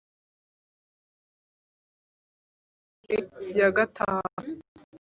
tugezeyo twubatse inzu y ubwami ya gatanu